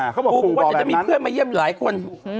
เขาบอกปู่บอกแบบนั้นปู่บอกว่าจะมีเพื่อนมาเยี่ยมหลายคนอืม